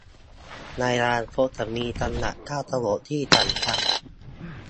ในอนาคตจะมีจังหวะก้าวกระโดดที่สำคัญ